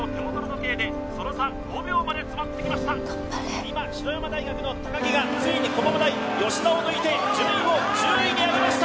今白山大学の高城がついに駒場大吉田を抜いて順位を１０位に上げました